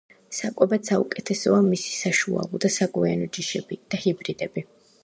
საკვებად საუკეთესოა მისი საშუალო და საგვიანო ჯიშები და ჰიბრიდები.